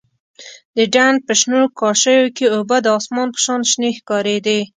د ډنډ په شنو کاشيو کښې اوبه د اسمان په شان شنې ښکارېدې.